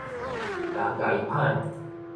人共伊歹